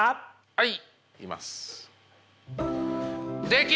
はい。